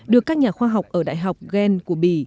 được các nhà khoa học ở đại học gen của bỉ